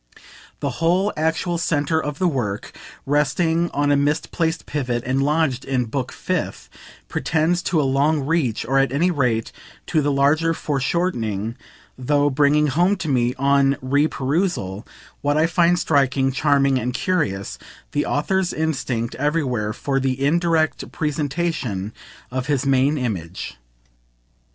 The whole actual centre of the work, resting on a misplaced pivot and lodged in Book Fifth, pretends to a long reach, or at any rate to the larger foreshortening though bringing home to me, on re perusal, what I find striking, charming and curious, the author's instinct everywhere for the INDIRECT presentation of his main image.